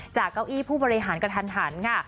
จากเก้าอี้ผู้บริหารกระทันค่ะ